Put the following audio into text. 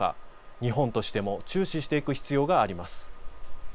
日本としても注視していく必要があります。